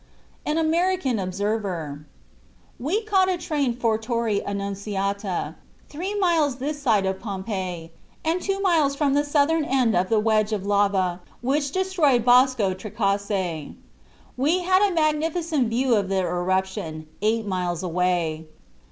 AN AMERICAN OBSERVER. "We caught a train for Torre Annunziata, three miles this side of Pompeii and two miles from the southern end of the wedge of lava which destroyed Bosco Trecase. We had a magnificent view of the eruption, eight miles away.